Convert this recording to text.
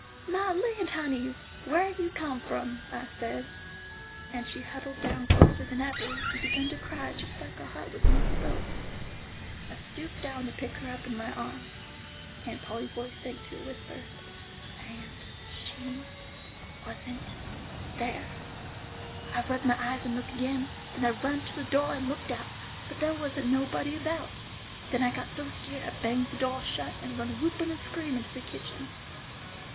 "'My land, honey, whar you come from?' I says, and she huddled down closer than ever, and began to cry just like her heart was most broke. I stooped down to pick her up in my ahms"—Aunt Polly's voice sank to a whisper—"and—she—wasn't—there. I rubbed my eyes and looked agin, then I run to the doah and looked out; but they wasn't nobody about. Then I got so skeered I banged the doah shut and run whoopin' and screamin' to the kitchen.